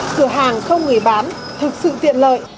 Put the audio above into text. cửa hàng không người bán thực sự tiện lợi